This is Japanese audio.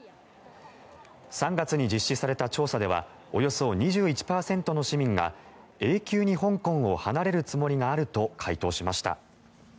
３月に実施された調査ではおよそ２１％の市民が永久に香港を離れるつもりがあると回答しました。